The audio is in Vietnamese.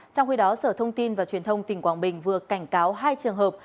trong khi đó sở thông tin và truyền thông tỉnh quảng bình vừa cảnh cáo hai trường hợp